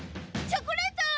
チョコレート！